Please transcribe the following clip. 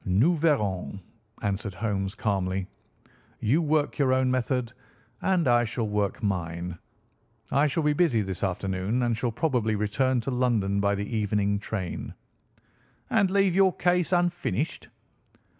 "Nous verrons," answered Holmes calmly. "You work your own method, and I shall work mine. I shall be busy this afternoon, and shall probably return to London by the evening train." "And leave your case unfinished?"